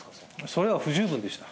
それは不十分でした。